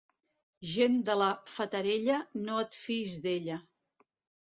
Gent de la Fatarella, no et fiïs d'ella.